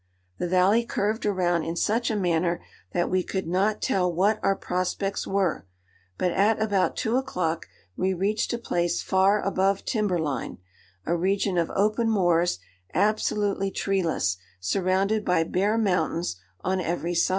The valley curved around in such a manner that we could not tell what our prospects were, but at about two o'clock we reached a place far above timber line,—a region of open moors, absolutely treeless,—surrounded by bare mountains on every side.